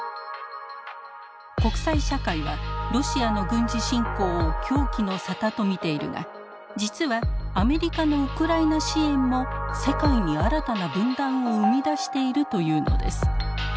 国際社会はロシアの軍事侵攻を狂気の沙汰と見ているが実はアメリカのウクライナ支援も世界に新たな分断を生み出しているというのです。